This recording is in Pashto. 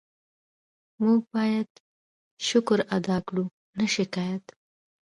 موږ باید شکر ادا کړو، نه شکایت.